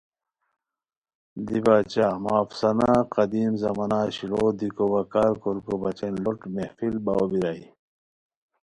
دیباچہ مہ افسانہ قدیم زمانا شیلوغ دیکو وا کارکوریکو بچین لوٹ محفل باؤ بیرائے